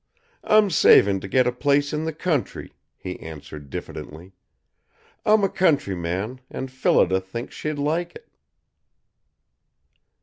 "I'm saving to get a place in the country," he answered diffidently. "I'm a countryman, and Phillida thinks she'd like it."